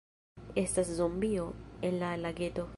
Estas zombio en la lageto.